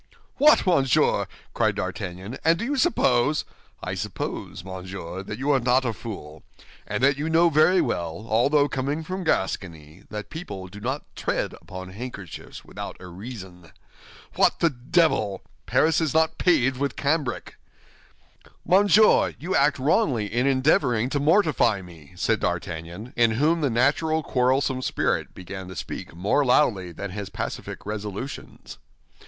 "What, monsieur!" cried D'Artagnan, "and do you suppose—" "I suppose, monsieur, that you are not a fool, and that you knew very well, although coming from Gascony, that people do not tread upon handkerchiefs without a reason. What the devil! Paris is not paved with cambric!" "Monsieur, you act wrongly in endeavoring to mortify me," said D'Artagnan, in whom the natural quarrelsome spirit began to speak more loudly than his pacific resolutions.